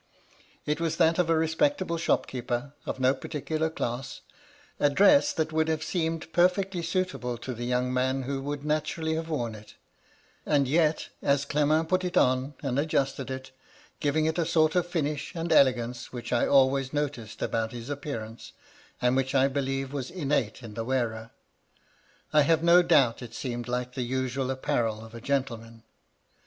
It was that of a re spectable shopkeeper of no particular class; a dress that would have seemed perfectly suitable to the young man who would naturedly have worn it ; and yet, as Clement put it on, and adjusted it — giving it a sort of finish and elegance whidi I always noticed about his appearance, and which I believed was innate in the wearer — I have no doubt it seemed like the usual ap parel of a gentleman.